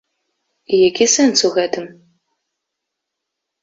І які сэнс у гэтым?